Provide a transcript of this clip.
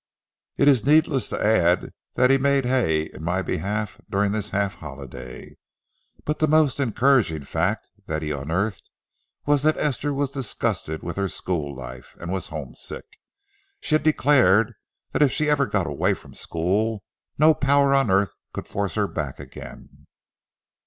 It is needless to add that he made hay in my behalf during this half holiday. But the most encouraging fact that he unearthed was that Esther was disgusted with her school life and was homesick. She had declared that if she ever got away from school, no power on earth could force her back again.